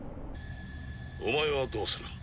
お前はどうする？